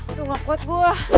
aduh ga kuat gua